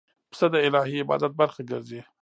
پسه د الهی عبادت برخه ګرځي.